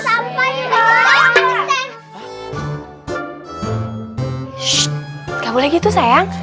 ssshh gak boleh gitu sayang